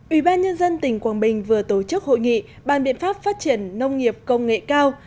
ủy ban nhân dân tỉnh quảng bình vừa tổ chức hội nghị bàn biện pháp phát triển nông nghiệp công nghệ cao